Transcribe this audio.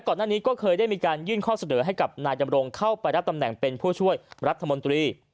ก่อนหน้านี้จะได้ยื่นข้อเสดอให้นายจำลงเข้าไปรับตำแหน่งเป็นผู้ช่วยรัฐมนตรี